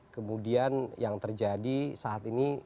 kemudian yang terjadi saat ini